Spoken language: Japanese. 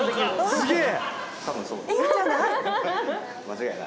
・すげえ！